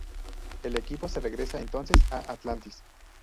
El equipo se regresa entonces a Atlantis.